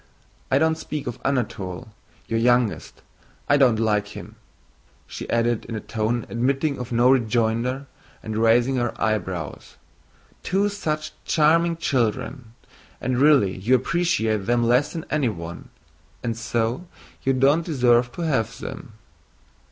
I don't speak of Anatole, your youngest. I don't like him," she added in a tone admitting of no rejoinder and raising her eyebrows. "Two such charming children. And really you appreciate them less than anyone, and so you don't deserve to have them."